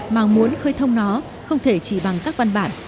mà muốn khơi thông nó không thể chỉ bằng các văn bản